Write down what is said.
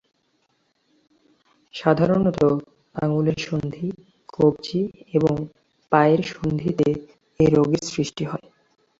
সাধারণত আঙুলের সন্ধি, কবজি এবং পায়ের সন্ধিতে এ রোগের সৃষ্টি হয়।